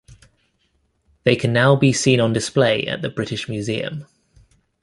They can now be seen on display at the British Museum.